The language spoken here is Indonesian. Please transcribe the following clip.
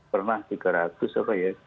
pernah tiga ratus apa ya